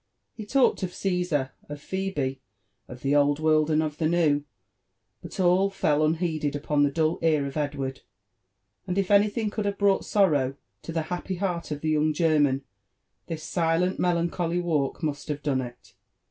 He talked of CaBsar, of Pbebe, of the Old World and of the New, but all fell unheeded upon the dull ear of Edward ; and if any thing could have brought sorrow 16 the happy heart of the young German, this silent melancholy walk must have done it.